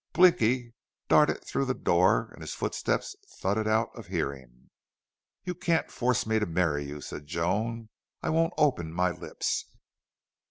Blicky darted through the door and his footsteps thudded out of hearing. "You can't force me to marry you," said Joan. "I I won't open my lips."